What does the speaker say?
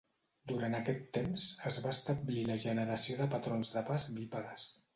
Durant aquest temps, es va establir la generació de patrons de pas bípedes.